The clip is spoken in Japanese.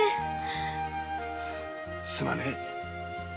すまねぇ。